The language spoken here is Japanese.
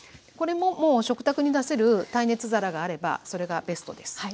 これももう食卓に出せる耐熱皿があればそれがベストです。